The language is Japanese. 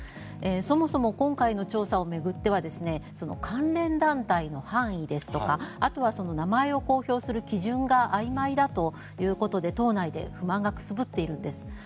そもそも今回の調査を巡っては関連団体の範囲ですとかあとは名前を公表する基準があいまいだということで、党内で不満がくすぶっているんです。